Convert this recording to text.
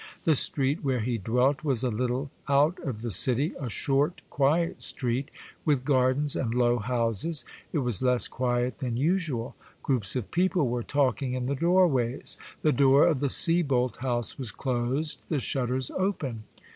The street where he dwelt was a little out of the city, a short, quiet street, with gardens and low houses ; it was less quiet than usual ; groups of people were talking in the doorways. The door of the Sieboldt house was closed, the shutters open.